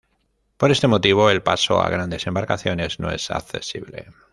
Por este motivo, el paso a grandes embarcaciones no es accesible.